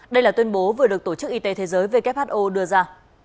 đây là tuyên bố vừa được tổ chức y tế thế giới who đưa ra